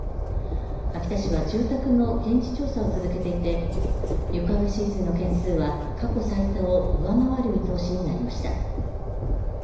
秋田市は住宅の現地調査を続けていて床上浸水の件数は過去最多を上回る見通しになりました。